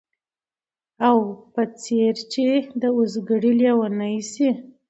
او په څېر چي د اوزګړي لېونی سي